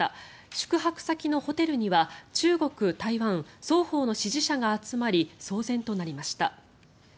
宿泊先のホテルには中国、台湾双方の支持者が集まり騒然となりました。